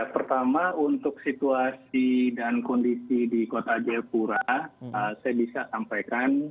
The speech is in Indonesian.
pertama untuk situasi dan kondisi di kota jayapura saya bisa sampaikan